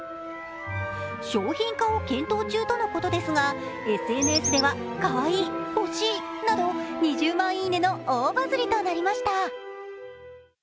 商品化を検討というということですが、ＳＮＳではかわいい、欲しいと２０万いいねの大バズりとなりました。